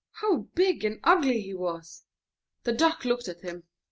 how large and ugly it was! The Duck looked at it.